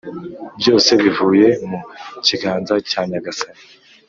byose bivuye mu kiganza cya Nyagasani,